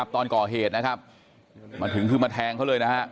ตอนก่อเหตุมันถึงขึ้นมาแทงเขาเลย